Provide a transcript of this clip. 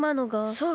そう！